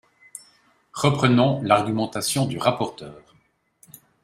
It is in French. Reprenons l’argumentation du rapporteur.